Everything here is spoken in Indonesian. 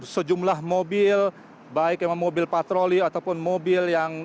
sejumlah mobil baik mobil patroli ataupun mobil yang